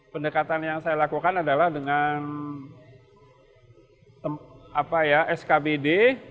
pendekatan yang saya lakukan adalah dengan skbd